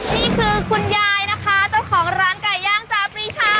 นี่คือคุณยายนะคะเจ้าของร้านไก่ย่างจาปรีชา